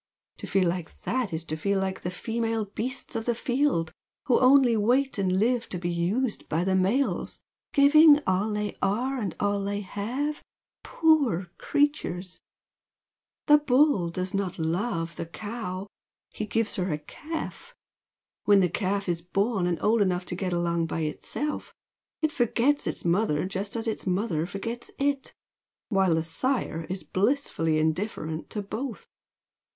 To feel like THAT is to feel like the female beasts of the field who only wait and live to be used by the males, giving 'all they are and all they have,' poor creatures! The bull does not 'love' the cow he gives her a calf. When the calf is born and old enough to get along by itself, it forgets its mother just as its mother forgets IT, while the sire is blissfully indifferent to both!